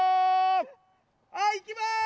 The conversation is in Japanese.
はいいきまーす！